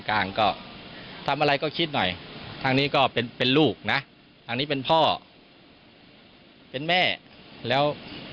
ว่ามาติแล้ว